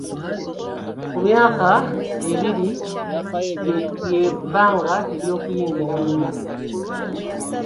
Ku myaka ebiri, lye bbanga ery'okuyingira mu Nursery School.